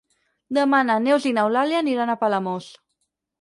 Demà na Neus i n'Eulàlia aniran a Palamós.